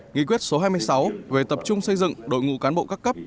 nghị quyết số hai mươi sáu về tập trung xây dựng đội ngũ cán bộ các cấp